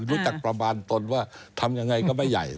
ประมาณตนว่าทำยังไงก็ไม่ใหญ่